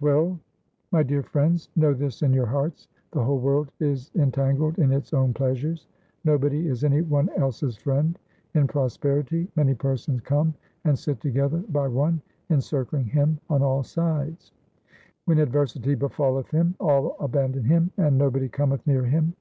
XII My dear friends, know this in your hearts — The whole world is entangled in its own pleasures ; no body is any one else's friend. In prosperity many persons come and sit together by one, encircling him on all sides ; When adversity befalleth him, all abandon him and no body cometh near him.